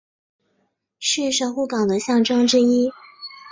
是神户港的象征之一。